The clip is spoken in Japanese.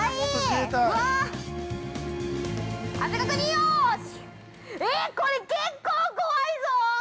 えーっ、これ、結構怖いぞ。